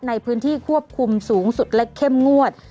ในพื้นที่ควบคุมสูงสุดและเข้มงวด